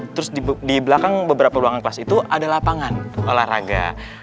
terus di belakang beberapa ruangan kelas itu ada lapangan olahraga